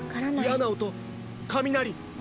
嫌な音雷！